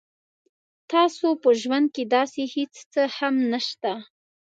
تاسو په ژوند کې داسې هیڅ څه هم نشته